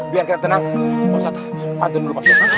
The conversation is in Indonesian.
biar kita tenang